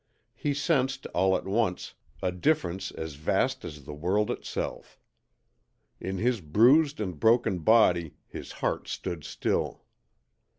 He sensed, all at once, a difference as vast as the world itself. In his bruised and broken body his heart stood still.